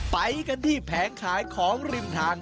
ไปกันที่แผงขายของริมทาง